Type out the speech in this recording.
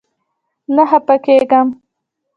نه خپه کيږم